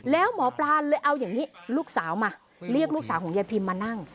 แล้วหมอปลาเลยเอาอย่างนี้ลูกสาวมาเรียกลูกสาวของยายพิมมานั่ง